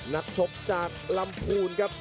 นักชกจากลำพูนครับ